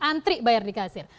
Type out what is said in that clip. antri bayar di kasir